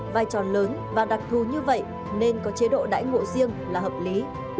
vai tròn lớn và đặc thù như vậy nên có chế độ đải ngộ riêng là hợp lý